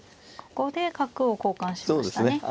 ここで角を交換しましたね。